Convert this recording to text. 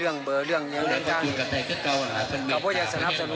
เพื่อขอพ้อนทำกลับสนานเจษฐาน